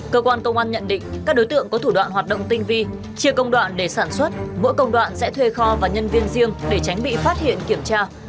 cơ quan công an nhận định các đối tượng có thủ đoạn hoạt động tinh vi chia công đoạn để sản xuất mỗi công đoạn sẽ thuê kho và nhân viên riêng để tránh bị phát hiện kiểm tra